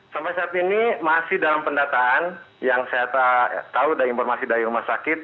sampai saat ini masih dalam pendataan yang saya tahu ada informasi dari rumah sakit